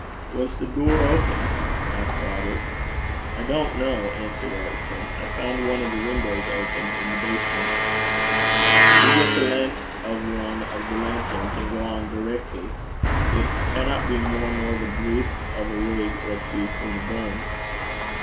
'Was the door open?' asked Robert. 'I don't know,' answered Ericson. 'I found one of the windows open in the basement.' 'We'll get the len' o' ane o' the lanterns, an' gang direckly. It canna be mair nor the breedth o' a rig or twa frae the burn.'